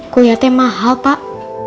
kuliah teh mahal pak